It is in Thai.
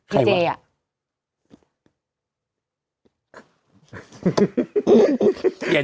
มิเจ